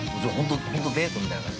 ◆本当デートみたいな感じ。